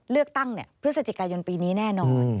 เลือกตั้งพฤศจิกายนปีนี้แน่นอน